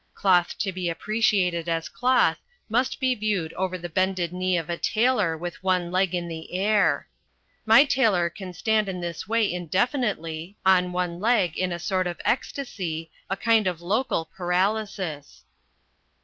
Cloth to be appreciated as cloth must be viewed over the bended knee of a tailor with one leg in the air. My tailor can stand in this way indefinitely, on one leg in a sort of ecstasy, a kind of local paralysis.